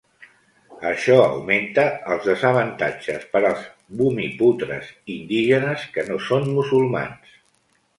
Això augmenta els desavantatges per als bumiputres indígenes que no són musulmans.